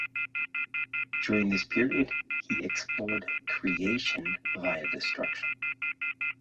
During this period, he explored creation via destruction.